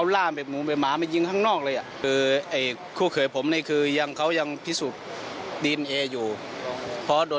แล้วก็ยิงอย่างเดียว